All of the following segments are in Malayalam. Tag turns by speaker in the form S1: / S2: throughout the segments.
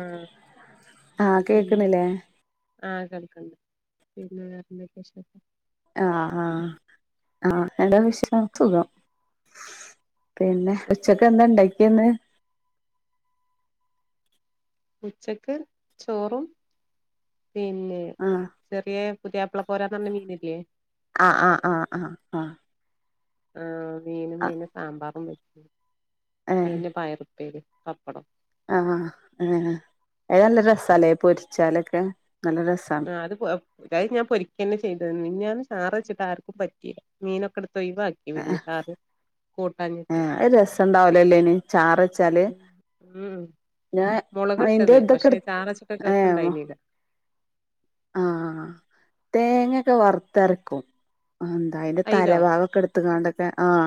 S1: ആഹാ,
S2: ആഹ്
S1: ആഹ,
S2: കേക്കണില്ലേ
S1: ആഹ, കളിക്ക്ണ്ട് പിന്നെ- എന്തൊക്കേ വിശേഷം.
S2: ആഹാ, ആഹാ, ആഹാ, എന്താ വിശേഷം? സുഖം..., പിന്നെ
S1: സുഖം.
S2: ഉച്ചക്കെന്താ- ഇണ്ടാക്യേന്ന്?
S1: ഉച്ചക്ക് ചോറും, പിന്നെ,
S2: ആഹാ,
S1: ചെറിയെ പുതിയാപ്പിള കോരാന്ന്- പറഞ്ഞ മീന്ല്ലേ?
S2: ആഹാ, ആഹാ, ആഹാ, ആഹാ, ആഹാ,
S1: ആഹ, മീനും പിന്നെ സാമ്പാറും, വെച്ച്
S2: ആഹ്
S1: പിന്നെ പയറുപ്പേരിം, പപ്പടും.
S2: ആഹാ, ഹാ, അത് നല്ല രസാലേ- പൊരിച്ചാലൊക്കെ നല്ല രസ.
S1: ആഹ, അത് പോ - അത് ഞാൻ പൊരിക്കെന്നെ- ചെയ്തത് മിഞ്ഞാന്ന് ഞാൻ- ചാറ് വെച്ചിട്ട് ആർക്കും പറ്റീല്ല. മീനൊക്കെ ഇട്ത്ത് ഓയ് വാക്കി.
S2: ആഹ, ആഹാ അത്- രസണ്ടാവൂലല്ലോ? അയ്ന് ചാറ്. ച്ചാല്,
S1: ഉം ഉം
S2: ഞാൻ
S1: മുളകിട്ടത്
S2: അതിന്റെ-
S1: പക്ഷെ
S2: ഇതൊക്കെട്
S1: ചാറ് വെച്ചിട്ട് ഒരു
S2: ഏ,
S1: രസം ഉണ്ടായിരുന്നില്ല
S2: ആഹാ, തേങ്ങെക്കെ വറുത്തരക്കും എന്താ അയിന്റെ
S1: അയിലോ
S2: തലവാക്കെടുത്ത്- ത്ത്ങ്ങാണ്ടൊക്കെ ആഹാ,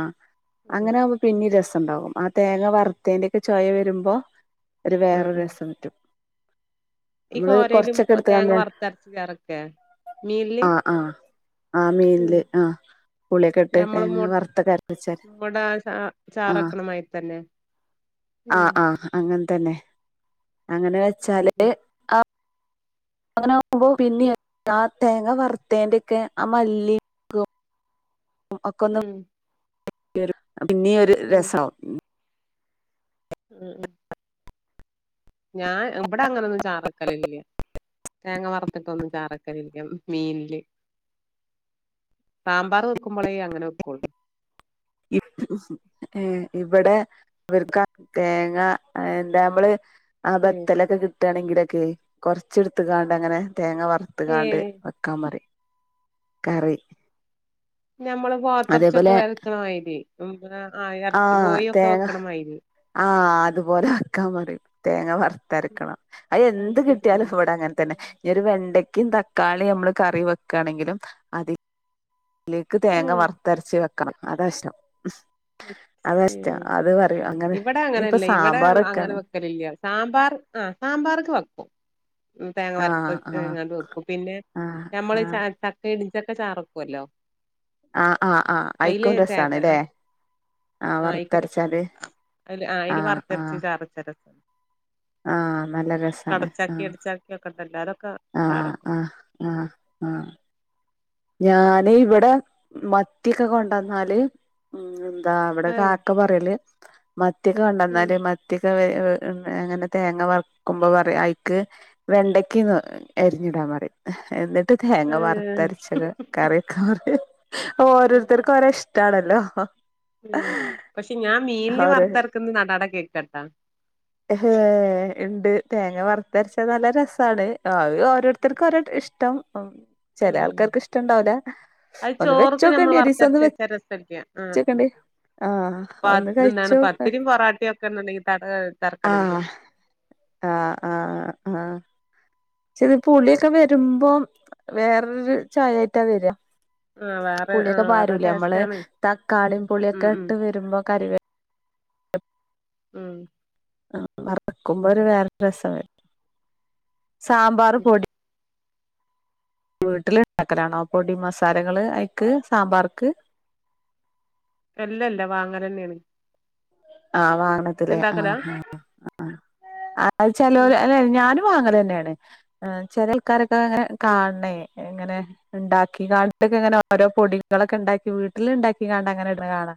S1: ഉം
S2: അങ്ങനാവു- പിന്നി രസണ്ടാകും ആ തേങ്ങ- വറുത്തേന്റെ ഒക്കെ ചൊയ- വെരുമ്പോ. ഒര് വേറൊരു
S1: ഉം
S2: രസംറ്റും.
S1: [unintelligible]
S2: ആഹാ, ആഹാ ആ
S1: ഉം
S2: മീനില് ആഹാ, പുളിയൊക്കെട്ട്
S1: ഞമ്മള് മു
S2: തേങ്ങ- വറത്തൊക്കെരപ്പിച്ച്,
S1: മുട ചാ
S2: ആഹാ.
S1: ചാറക്കണമായി തന്നെ ഉം
S2: ആഹാ, ആഹാ, അങ്ങന് തന്നെ. അങ്ങനെ
S1: ഉം
S2: വെച്ചാല്-
S1: ഉം
S2: അങ്ങനാകുമ്പോ പിന്നിം, ആഹാ- തേങ്ങ വറുത്തേന്റെക്കെ ആ മല്ലിം, [unintelligible]
S1: ഉം...,
S2: യൊര് പിന്നീം ഒര്
S1: ഉം
S2: രസാവും ഉം.
S1: [unintelligible] ഞാൻ ഇബടെ അങ്ങനൊന്നും ചാറെക്കലില്ല്യ. തേങ്ങ വർത്ത്ട്ടൊന്നും ചാറക്കലില്ല്യാ മീൻല്. സാംമ്പാറ് വെക്ക്മ്പളേ അങ്ങനെ വെക്ക്ള്ളു.
S2: [unintelligible] ഇബെടെ ഇവര്ക്കാ തേങ്ങ അഅ്‌ ഡബ്ള് ആ ബത്തലൊക്കെ ക്ക് ക്ക്ട്ടാണെങ്കിലൊക്കെയ് കൊറ്ച്ച് ട്ത്ത്ങ്ങാണ്ട് അങ്ങനെ തേങ്ങ വറുത്ത്ങ്ങാണ്ട്
S1: ഏഹ്
S2: വെ ക്കാം പറയും കറി.
S1: ഞമ്മള് പോത്തർച്ചിക്കെ
S2: അതേപോലെ
S1: വെക്ണമാരി
S2: ആ
S1: [unintelligible] കോഴിയോക്കെ
S2: തേങ്ങ
S1: വെക്ണമാരി.
S2: ആഹ് അത്പോലെ വെക്കാം പറയും തേങ്ങ വറ് തര്ക്കണം
S1: അത്
S2: അയെന്ത്
S1: ശരി
S2: കിട്ടിയാലും വടെ അങ്ങൻ തന്നെ. ഈയൊരു വെണ്ടയ്ക്കിം തക്കാളിം ഞമ്മള് കറി വ്ക്കാണെങ്കിലും അതി ലേക്ക് തേങ്ങ
S1: ഉം
S2: വറ്ത്തരച്ച് വെക്കണം അതാഷ്ടം. അതാഷ്ടം
S1: ഏഹ്
S2: അത് പറയും അങ്ങനെ ഇനിപ്പ സാമ്പാറക്കാണ്
S1: ക്കലില്ല്യാ സാമ്പാറ് ആഹ് സാമ്പാറ്ക്ക് വക്കും. ഉം തേങ്ങ
S2: ആഹ് ആഹ്
S1: വർത്ത്ങ്ങാണ്ട് വെക്കും പിന്നെ
S2: ആഹ്
S1: ഞമ്മള് ച
S2: ആഹ്
S1: [unintelligible] ഇട്ച്ചക്ക ചാറക്കുല്ലോ.
S2: ആഹ് ആഹ് ആഹ് അയ്ക്കും രസാണ്ല്ലേ.
S1: ആഹ് അയിക്കും രസാ അല് ആഹ് അയ്ല് വർത്തരച്ച് ചാറ് [unintelligible]
S2: ആഹ് നല്ല രസാണ്
S1: കടച്ചക്കിം
S2: ആഹ്
S1: ഇടിച്ചക്കിം ഒക്കെണ്ട് എല്ലാരൊക്കെ
S2: ആഹ് ആഹ് ആഹ് ആഹ്. ഞാന് ഇവടെ മത്തിക്കെ കൊണ്ടന്നാല് ഉം ആഹ് വടെ
S1: ഏഹ്,
S2: കാക്ക പറയല് മത്തിയൊക്കെ
S1: ഉം
S2: കൊണ്ടന്നാല് മത്തിയൊക്കെ ഏ [unintelligible] ങ്ങനെ തേങ്ങ വർക്കുമ്പോ പറയും അയിക്ക് വെണ്ടക്കിംന്ന് അരിഞ്ഞിടാം പറയും എന്നിട്ട് തേങ്ങ
S1: ഏഹ്,
S2: വർത്തര് ച്ചത് കറിക്കാം പറയും
S1: ഉം,
S2: ഓരോര്ത്തർക്ക് ഓരോ ഇഷ്ടാണല്ലോ.
S1: ആഹ് പക്ഷെ ഞാം മീൻല്
S2: ഓരോ
S1: വറ്ത്തരക്ക്ന്ന് ന്നടാടെ കേക്ക്ആട്ടൊ.
S2: എഹേ ഇണ്ട് തേങ്ങ വർത്തര്ച്ചാ ന്നല്ല രസാണ്. ആഹ് അവ് ഓരോര്ത്തർക്ക് ഓരോ ഇഷ്ടം ചെലാൾ
S1: ഉം
S2: ക്കക്ക് ഇഷ്ടണ്ടാവൂല
S1: അത്
S2: ഒന്ന്
S1: ചോർക്ക് നമ്മൾ
S2: വെച്ചോക്കൊണ്ടി ഒരീസം ഒന്ന്
S1: വറുത്തരച്ച്
S2: വെ
S1: വെച്ചാ രസല്ല ആ
S2: ച്ചോക്കണ്ടി ആഹ്,
S1: പ
S2: ഒന്ന്
S1: എന്താണ്
S2: കഴിച്ചു
S1: പത്തിരിയും പൊറാട്ടയും ഒക്കെ ഉണ്ടെങ്കിൽ ത തരക്കടില്ല
S2: ആഹ്. ആഹ് ആഹ് ആഹ്. ചെത് പുളിയൊക്കെ വെരുമ്പോം വേറൊരു ചായായ്റ്റാ വെര്ആ.
S1: ആ വേറെ ആ
S2: പുളിയൊക്കെ
S1: വേറെ
S2: പാരൂലേ
S1: ടേസ്റ്റ്
S2: അമ്മള്
S1: ആണ്
S2: തക്കാളിം
S1: ഉം
S2: പുളിയൊക്കെ
S1: ഉം
S2: ഇട്ട് വരുമ്പോ കറിവേ
S1: ഉം.
S2: ആഹ് വറ്ക്കുമ്പോരു വേറെ രസം വെരും സാമ്പാറ് പൊടി വീട്ടില് ണ്ടാക്കലാണോ പൊടി മസാലകള് അയ്ക്ക് സാമ്പാർക്ക്?
S1: അല്ലല്ല വാങ്ങലെന്നേണ്.
S2: ആഹ് വാനത്തിലെ
S1: ഇണ്ടാക്കലാ
S2: ആഹ് ആഹ് ആഹ് അഅ്‌
S1: ഉം
S2: ചെലൊല് അലെ ഞാനും വാങ്ങലന്നേണ് എഹ് ചെലേ ആൾക്കാരോക്കെങ്ങനെ
S1: ഉം
S2: കാൻണേയ് ഇങ്ങനെ ണ്ടാക്കി കാണ്ടൊക്കെങ്ങനെ ഓരോ പൊടികളൊക്കണ്ടാക്കി വീട്ടില്ണ്ടാക്കിങ്ങാണ്ടങ്ങനെട്ണ് കാണാ.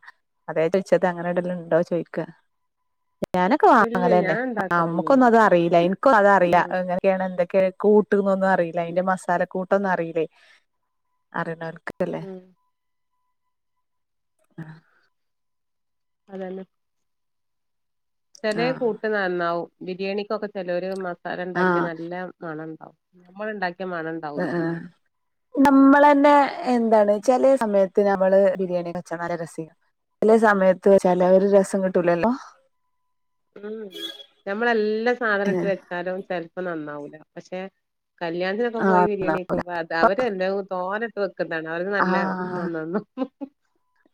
S2: അതെ ച്ചോയ്ച്ചത് അങ്ങനെടെല്ണ്ടോ ചോയി ക്ക, ഞാനൊക്കെ
S1: ഇല്ല
S2: വാങ്ങലെന്നെ
S1: ഞാൻ
S2: ആഹ്
S1: ഇണ്ടാക്കലൊന്നുല്ല
S2: അമ്മക്കോന്നത് അറീലാ ഇൻക്കു അത് അറീലാ ‌
S1: ഉം
S2: അഅ്‌ ങ്ങനെ ക്കേണ് എന്തൊക്കെ കൂട്ട് ന്നൊന്നും അറീലാ അയിന്റെ മസാല കൂട്ടൊന്നു അറീലേയ് അറിണോൽക്ക് ഇടല്ലേ
S1: ഉം അതന്നെ. ചെലെ
S2: ആഹ്
S1: കൂട്ട് നന്നാവും ബിരിയാണിക്കൊക്കെ ചെലൊര് മസാലണ്ടാക്കിയാ
S2: ആഹ്
S1: നല്ല മണണ്ടാവും. ഉം ഞമ്മള്ണ്ടാക്കിയ മണം
S2: ആഹ് ആഹ്. നമ്മളെന്നെ എന്താണ് ചെലെ സമയത്ത് ഞമ്മള് ബിരിയാണിക്കെവെച്ചാ നല്ല രസെയ് ചെലെ സമയത്ത് വെച്ചാല് ആ
S1: ഉം
S2: ഒര് രസം കിട്ടൂലല്ലോ.
S1: ഉം ഞമ്മളെല്ലാ
S2: ഏഹ്
S1: സാധനിട്ട് വെച് ച്ചാലും ചെൽപ്പോ നന്നാവൂല്ല പക്ഷെ കല്യാണത്തിനൊക്കെ പോയി
S2: ആഹ്
S1: ബിരിയാണി
S2: നന്നാവൂല
S1: കയ്ക്കുമ്പോ അ
S2: അപ്പ
S1: തവര്ന്നല്ലോം തോനെട്ട് വെക്ക്ന്നതാണ് അവര്ക്ക് നല്ല നന്നാവും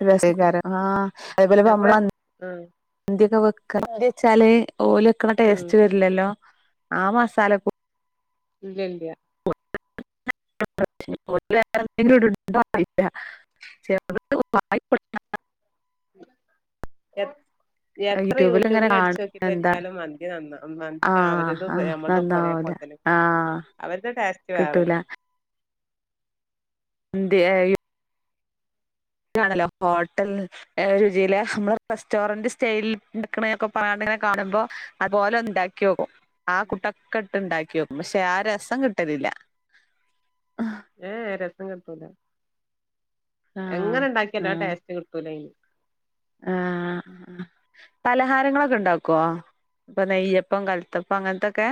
S2: നല്ല രസായ്കാരം ആഹ് അതെപോലെ
S1: നമ്മളെ
S2: നമ്മളന്ന്‌
S1: ഉം
S2: ന്തിയൊക്കെ വെക്കാ മന്തിവെച്ചാല് ഓല് വെക്ക്ണ
S1: ഉം
S2: ടേസ്റ്റ് വര്ല്ലല്ലോ ആ മസാലകൂ
S1: ഇല്ലല്ല്യാ
S2: ഇനീപ്പോ ഓല് വേറെന്തെങ്കിലും ഇട്ണ്ടോ അറീല [unintelligible]
S1: എപ് എത്ര
S2: യൂട്യൂബിൽ ഇങ്ങനെ കാണും
S1: യൂട്യൂബിലട്ച്ചോക്കിട്ട്
S2: എന്താ
S1: വെച്ചാലും മന്തി നന്നാ മന്തി
S2: ആഹ്
S1: അവര്തും
S2: ആഹ്
S1: ഞമ്മളൊതൊക്കെ
S2: നന്നാവൂല
S1: ഒരേപോലത്തന്നെ.
S2: ആഹ്.
S1: അവര്ടെ ടെസ്റ്റ്
S2: കിട്ടൂല
S1: വേറേണ്.
S2: ഇന്ത്‌ ഏ യു താണല്ലോ ഹോട്ടൽ ഏഹ് രുചീല് അമ്മള് റെസ്റ്റോറന്റ് സ്റ്റൈലിൽ ഇണ്ടാക്ക്ണേക്കെ പർഞ്ഞാണ്ട്ങ്ങനെ കാണുമ്പോ അയ്പോലൊന്ന് ണ്ടാക്കിയോക്കും ആഹ് കൂട്ടൊക്കെ ഇട്ട്ണ്ടാക്കിയോക്കും പക്ഷെ ആ രസം കിട്ടലില്ല.
S1: ഏഹ് രസം കിട്ടൂലാ.
S2: ആഹ്
S1: എങ്ങനെണ്ടാക്കിയാലും ആ
S2: ആഹ്
S1: ടേസ്റ്റ് കിട്ടൂലയ്ന്.
S2: ആഹ്. പലഹാരങ്ങളൊക്കെണ്ടാക്കോ ഇപ്പ നെയ്യപ്പം കൽത്തപ്പം അങ്ങൻത്തൊക്കെ?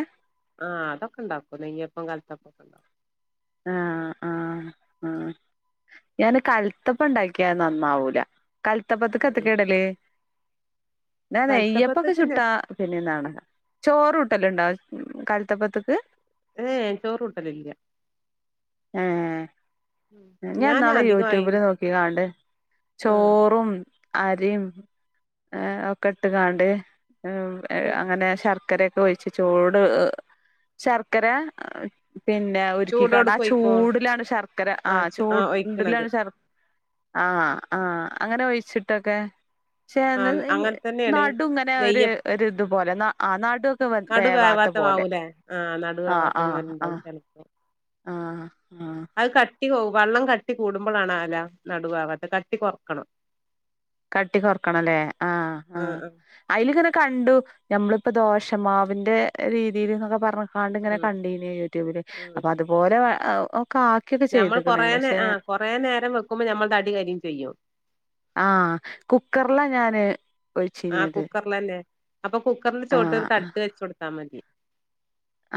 S1: ആഹ് അതൊക്കെണ്ടാക്കും നെയ്യപ്പം കൽത്തപ്പൊക്കെണ്ടാക്കും.
S2: ആഹ് ആഹ് ആഹ് ഞാന് കൽത്തപ്പണ്ടാക്ക്യ നന്നാവൂല. കൽത്തപ്പത്ത്ക്ക്
S1: ഉം
S2: എത്തക്കെടല്? ന്നാ നെയ്യപ്പൊക്കെ
S1: കൽത്തപ്പത്ത്ക്ക് ഞാൻ
S2: ചുട്ടാ പിന്നെന്താണ് ചോറൂട്ടല്ണ്ടോ കൽത്തപ്പത്ത്ക്ക്.
S1: ഏഹ് ചോറൂട്ടലില്ല്യാ.
S2: ഏഹ്.
S1: ഞാൻ
S2: ഞാന്നാള്
S1: അധികമായി
S2: യൂട്യൂബില് നോക്കിക്കാണ്ട്
S1: ആ
S2: ചോറും അരിം എഹ് ഒക്കെ ഇട്ട്കാണ്ട് ഉം എഹ് അങ്ങനെ ശർക്കരേ ക്കോഴിച്ച് ചൂട് ശർക്കര പിന്നെ ഉര്ക്കികാണ്ടാ
S1: ചൂടോട്ക്കെ ഒഴിക്കോ
S2: കൂടിലാണ് ശർക്കര
S1: ആ
S2: ആഹ്
S1: ആ ഒഴിക്കണത്
S2: ചൂട്ലാണ് ശർ ശർ ആഹ് ആഹ് അങ്ങനെ ഒഴിച്ചിട്ടൊക്കെ. പക്ഷെ
S1: ആ
S2: അതിന്റെയ്
S1: അങ്ങനെ തന്നെയാണ്
S2: നടു ഇങ്ങനെ ഒര്
S1: നെയ്യ്
S2: ഒര്ത്പോലെ ആഹ് നടു ക്ക്‌ വെന്ത്‌
S1: നടു
S2: വേവാത്ത പോലെ
S1: മാവൂലേ ആ നടു
S2: ആഹ്
S1: വേവാത്ത
S2: ആഹ് ആഹ്.
S1: [unintelligible]
S2: ആഹ് ആഹ്.
S1: അയ് കട്ടി പോവും വള്ളം കട്ടി കൂടുമ്പളാണാലോ നടുഭാഗത്ത് കട്ടി കൊർക്കണം.
S2: കട്ടി കൊറക്കണംല്ലേ ആഹ്
S1: ആ
S2: ആഹ്.
S1: ആ
S2: അയില്ങ്ങനെ കണ്ടു ഞമ്മള്പ്പോ ദോശമാവിന്റെ രീതില്ന്നൊക്കെ പർഞ്ഞ് കാണ്ടിങ്ങനെ
S1: ഉം
S2: കണ്ടീന് യൂട്യൂബില്
S1: ഉം
S2: അപ്പ അതുപോലെ ഒക്കെ ആക്കിയൊക്കെ
S1: ഞമ്മൾ
S2: ചെയ്തുക്കണേ
S1: കൊറേ നേ
S2: പക്ഷെ
S1: ആ കൊറേ നേരം വെക്കുമ്പോ നമ്മൾത് അടി കര്യും ചെയ്യും
S2: ആഹ് കുക്കർലാ ഞാൻ ഒഴിച്ചീഞത്
S1: ളെന്നെ അപ്പൊ കുക്കർന്റെ ചോട്ടിൽ ഒരു തട്ട് വെച്ച് കൊടുത്താൽ മതി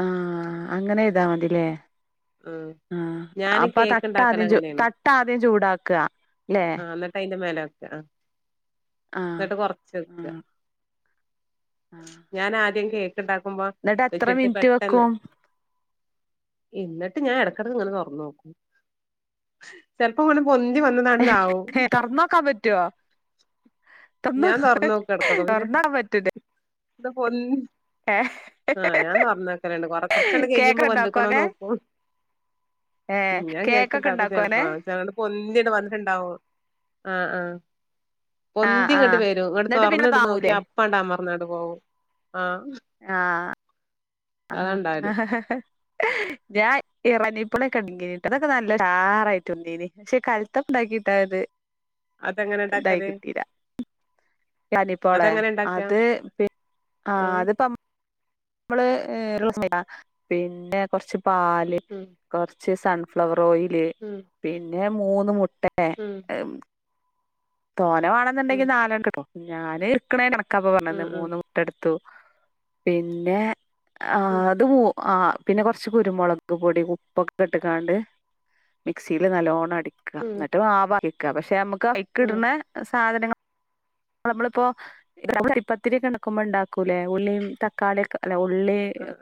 S2: ആഹ് അങ്ങനെ ചെയ്താ മതില്ലേ
S1: ആ
S2: ആഹ്
S1: ഞാന്
S2: അപ്പൊ
S1: കേക്ക് ഉണ്ടാക്കല്
S2: തട്ടാദ്യം ചു
S1: അങ്ങനെയാണ്
S2: തട്ടാദ്യം ചൂടാക്ക ല്ലേ
S1: ആഹ് ന്നട്ട് അയിന്റെ മേലെ വെക്ക ആഹ്
S2: ആഹ്
S1: ന്നട്ട് കൊറച്ച് വെക്കുക
S2: ആഹ് ആഹ്
S1: ഞാനാദ്യം കേക്ക് ഇണ്ടാക്കുമ്പോ
S2: എന്നിട്ട് എത്ര
S1: വെച്ചിട്ട്
S2: മിനിറ്റ്
S1: പെട്ടെന്ന്
S2: വെക്കും
S1: ഇന്നട്ട് ഞാൻ ഇടക്കടക്ക് ഇങ്ങനെ തൊറന്ന് നോക്കും ചെൽപ്പോ ങ്ങനെ പൊന്തി വന്നതാണ്ട് താവും
S2: തുറന്നോക്കാൻ പറ്റുവോ തുറന്നോ
S1: ഞാൻ തൊറന്നോക്കും ഇടക്കൊക്കെ പിന്നെ
S2: തുറന്നോക്കാൻ പറ്റൂലേ
S1: ത് പൊൻ
S2: ഏഹ്
S1: ആഹ് ഞാൻ തൊറന്ന് നോക്കലന്നെ കൊറ കൊറച്ചാണ്ട്
S2: കേക്ക്
S1: കയുമ്പോ
S2: ഉണ്ടാക്കോ
S1: വെന്ത്ക്ക്ണോ
S2: ഒക്കെ
S1: നോ
S2: ഏ
S1: ഉം ഞാൻ
S2: കേക്കൊക്കെ
S1: കേക്ക്ണ്ടാക്കും
S2: ഉണ്ടാക്കോ അങ്ങനെ
S1: ചെൽപ്പോ അങൊട്ട് പൊന്തി ആണ്ട് വന്നിട്ടുണ്ടാവും ആഹ് ആഹ്
S2: ആഹ്
S1: പൊന്തി ഇങ്ങട്ട്
S2: ആഹ്
S1: വരും ങ്ങട്ട്
S2: എന്നിട്ട് പിന്നെ
S1: തൊറന്ന്ണ്ട്
S2: താവൂലേ
S1: നോക്കിയാ അപ്പാണ്ട് മർന്നങ് പോവും ആഹ്
S2: ആഹ് ആഹ്
S1: അതാണ്ടാവല്
S2: ഞാൻ ഇറങ്ങിപ്പളെ കണങ്ങിട്ട് അതൊക്കെ നല്ല ഉഷാറായിട്ട് പൊന്തിൻ പക്ഷെ കൽത്തപ്പം ഉണ്ടാക്കിട്ടാത്
S1: അതെങ്ങനെ ഇണ്ടാക്കല്
S2: ഇറാനിപ്പോളെ
S1: ഉണ്ടാക്ക
S2: അത് പി ആഹ്
S1: ഉം
S2: അത്പ്പം നമ്മള് ഏഹ് പിന്നെ കൊറച്ച് പാല്
S1: ഉം
S2: കൊറച്ച് സൺഫ്ലവർ ഓയില്
S1: ഉം
S2: പിന്നെ മൂന്ന് മുട്ടെ
S1: ഉം
S2: തോനെ
S1: ഉം
S2: വാണെന്നുണ്ടെങ്കിൽ നാലണ്ണം ഇട്ത്തോ ഞാൻ ഇട്ക്ക്ണെ കണക്കാ പ്പൊ
S1: ഉം
S2: പറഞ്ഞന്നെ
S1: ഉം
S2: മൂന്ന് എടുത്തു പിന്നെ
S1: ഉം
S2: ആഹ് അത് മൂ ആഹ് പിന്നെ കൊറച്ച് കുരുമുളക് പൊടി ഉപ്പൊക്കെ ഇട്ട്ക്കാണ്ട് മിക്സിയിൽ നല്ലോണ്ണം അടി ക്കാ
S1: ഉം
S2: ന്നട്ട് മാവ് അടിക്കാ പക്ഷെ നമുക്ക്
S1: ഉം
S2: അയ്ക്കിട്ണെ സാധനങ്ങ ള് നമ്മളിപ്പോ ഇവിടെ അരിപ്പത്തിരി യൊക്കെ ഇണ്ടാക്കുമ്പോ ഇണ്ടാക്കൂല്ലേ ഉള്ളിയും തക്കാളിയൊക്കെ അല്ല ഉള്ളി
S1: ആഹ്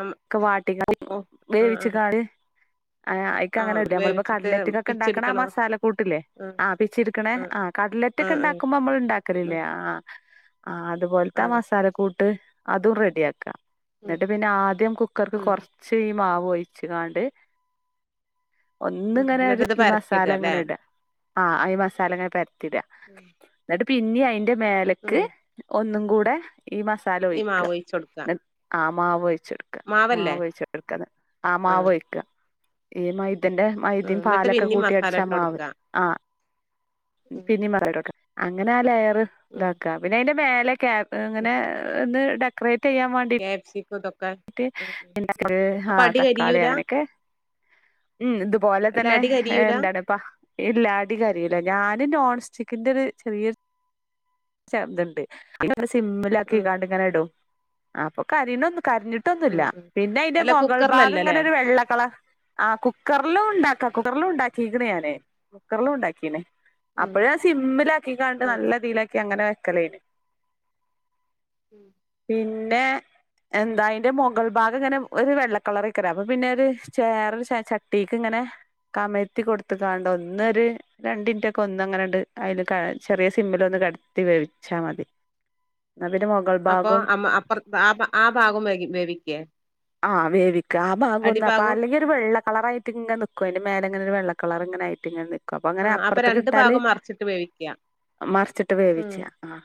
S1: ആഹ്
S2: ക്കെ വാട്ടികാണ്ട്
S1: ഓ ആ ആ
S2: വേവിച്ചികാണ്ട് ആഹ് ഏഹ് ആയിക്
S1: ആ
S2: അങ്ങനെ ഇട്വാ നമ്മളിപ്പൊ
S1: വേവിച്ചിട്ട്
S2: കട്ലറ്റ്ക്കൊക്കെ ഉണ്ടാക്ക് ണ ആ
S1: പിച്ചെടുക്കണോ
S2: മസാല കൂട്ടില്ലേ
S1: ആ
S2: ആഹ് പിച്ചിട്ക്ക്ണേ
S1: ആ
S2: ആഹ്
S1: ആ
S2: കട്ലറ്റ്ക്ക്
S1: ആ
S2: ഇണ്ടാക്കുമ്പോ നമ്മള്
S1: ആ
S2: ഇണ്ടാക്കലില്ലേ ആഹ് ആഹ്
S1: ആ
S2: അതുപോലത്തെ മസാല കൂട്ട് അതും റെഡിയാക്കാ
S1: ഉം
S2: ന്നട്ട് പിന്നെ ആദ്യം കുക്കർക്ക്
S1: ഉം
S2: കൊറച്ച് ഈ മാവ് ഒഴിച്ച് കാണ്ട് ഒന്ന്
S1: ഉം
S2: ഇങ്ങനെ
S1: എന്നിട്ട്
S2: ഒരു
S1: ഇത്
S2: ഈ മസാല
S1: പരത്തിയിടല്ലേ
S2: ഇങ്ങനെ ഇടാ ആഹ് ഈ മസാല ഇങ്ങനെ പരത്തിട
S1: ഉം
S2: ന്നട്ട് പിന്നിം അയിന്റെ മേലക്ക്
S1: ഉം
S2: ഒന്നും കൂടെ ഈ മസ് സാല
S1: ഈ
S2: ഒഴിക്ക
S1: മാവ് ഒഴിച്ച് കൊടുക്ക
S2: ന്ന ആഹ് മാവ് ഒഴിച്
S1: മാവല്ലേ
S2: മാവ്ഴിച്ച കൊടുക്ക ആഹ്
S1: ആ
S2: മാവൊഴിക്കുക ഈ മൈത ന്റെ
S1: ഉം
S2: മൈദയും
S1: എന്നിട്ട്
S2: പാലൊക്കെ
S1: പിന്നിം
S2: കൂട്ടി അടിച്ചാ
S1: മസാല
S2: ആഹ്
S1: ഇട്ട്
S2: മാവ്
S1: കൊടുക്ക
S2: ആഹ്
S1: ഉം
S2: പിന്നിം മറട്ടോക്ക അങ്ങനെ ആഹ് ലെയറ്
S1: ഉം
S2: ഇതാക്കുക പിന്നെ അയിന്റെ മേലെ കേ
S1: ഉം
S2: അങ്ങനെ ഒന്ന് ഡെക്കറേറ്റ് ചെയ്യാൻ വേണ്ടി
S1: ക്യാപ്‌സിക്കോ ഇതോ
S2: ന്നിട്ട് എന്താക്കല് ആഹ് തക്കാളി
S1: കരിയൂല
S2: അങ്ങനെയൊക്കെ ഉം ഇതുപോലെ
S1: അല്ല
S2: തന്നെ
S1: അടി
S2: ഏഹ്
S1: കരിയൂല
S2: എന്താണ് പ്പ ഇല്ല അടി കരിയൂല്ല ഞാന് നോൺസ്റ്റിക്കിന്റെറെ ഒരു ചെറിയ ചെർതുണ്ട് സിമ്മിലാക്കി
S1: ഉം
S2: കാണ്ട് ഇങ്ങനെ ഇടും അപ്പൊ കരീന ഒന്ന് കരിഞ്ഞി ട്ടൊന്നുമില്ല
S1: ഉം ഉം
S2: പിന്നെ അതിന്റെ
S1: അല്ല
S2: മുകൾ ഭാഗം
S1: കുക്കറിലല്ലല്ലേ
S2: ഇങ്ങനെ ഒരു വെള്ളക്കള ആ കുക്കറിലും ഉണ്ടാക്ക കുക്കറിലും ഉണ്ടാക്കിക്ക്ണ് ഞാന് കുക്കറിലും ഉണ്ടാക്കീണ്
S1: ഉം
S2: അപ്പഴേ സിമ്മിൽ ആക്കിങ്ങാണ്ട്
S1: ഉം
S2: നല്ല ഇതീയിലാക്കി അങ്ങനെ വെക്കലേന്,
S1: ഉം
S2: പിന്നെ, എന്താ അതിന്റെ മുകൾ ഭാഗം ഇങ്ങനെ ഒരു വെള്ളക്കളറയ്ക്കാരം അപ്പൊ പിന്നെ ഒരു ചേറ ചട്ടിക്ക് ഇങ്ങനെ, കമഴ്ത്തി കൊടുത്തക്കാണ്ട് ഒന്നൊരു, രണ്ടിൻറ്റൊക്കെ ഒന്നങ്ങനെണ്ട് അതില് ചെറിയ സിമ്മിൽ ഒന്ന് കട കടത്തി വേവിച്ചാൽ മതി, മൊകൾ
S1: അപ്പൊ
S2: ഭാഗും
S1: അമ്മ അപ്പറ ആ ആ ഭാഗം വേ വേവിക്കേ,
S2: ആഹ് വേവിക്ക ആ ഭഗം ഒന്ന
S1: അടിഭാഗവും
S2: അല്ലെങ്കിൽ ഒരു വെള്ള കളറ ആയിട്ട് ഇങ്ങെനിക്കും അതിന്റെ മേലെങ്ങനെ ഒരു വെള്ള കളർ ഇങ്ങനെ ആയിട്ട് ഇങ്ങനെ നിക്കും അപ്പൊ
S1: ആ
S2: അങ്ങനെ
S1: അപ്പൊ രണ്ട്
S2: അപ്പുറത്തെക്കിട്ടാല്,
S1: ഭാഗം മറിച്ചിട്ട് വേവിക്ക
S2: മറിച്ചിട്ട് വേവിച്ച
S1: ഉം
S2: ആഹ്,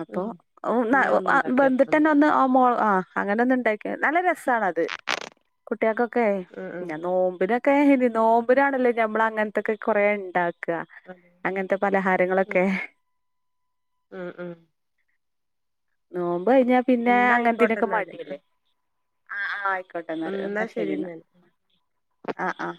S2: അപ്പോ
S1: ഉം ഞാൻ
S2: [unintelligible]
S1: ഒന്നുണ്ടാക്കി നോക്കണം
S2: വെന്തിട്ടന്നെ
S1: എന്നാല്.
S2: ഒന്ന് ആ മോള ആഹ്, അങ്ങനെ ഒന്ന്ണ്ടാക്ക നല്ല രസാണത്, കുട്ടികൾക്കൊക്കെ
S1: ഉം ഉം
S2: ഞ്ഞങ്ങ നോമ്പിനൊക്കെ ഹ
S1: ഉം
S2: നോമ്പ മ്പ് നാണല്ലോ ഞമ്മള് അങ്ങനത്തൊക്കെ കൊറെ ഇണ്ടാക്ക
S1: അതെ
S2: അങ്ങനത്തെ
S1: ഉം
S2: പലഹാരങ്ങളൊക്കെ,
S1: ഉം ഉം
S2: നോമ്പ് കഴിഞ്ഞാ പിന്നെ
S1: എന്നാ ആയിക്കോട്ടെ
S2: അങ്ങനത്തനൊക്കെ
S1: എന്നാല്
S2: മടിയല്ലേ, ആഹ് ആഹ് ആയിക്കോട്ടെ എന്നാ
S1: ഉം
S2: എന്നാൽ ശെരി
S1: ശരി
S2: എന്നൽ
S1: എന്നാല്
S2: ആഹ് ആഹ്,